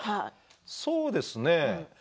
そうですね